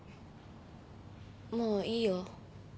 もういいよ。